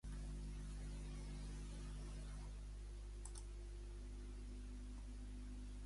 Mai no arribe a fer-me conscient, però influïsc constantment en el vostre comportament.